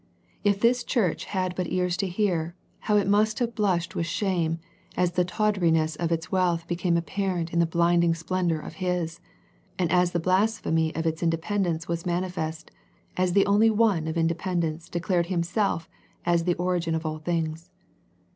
If this church had but ears to hear, how it must have blushed with shame as the tawdriness of its wealth became apparent in the blinding splendour of His, and as the blasphemy of its independence was manifest, as the only One of independence declared Himself as the origin of all things.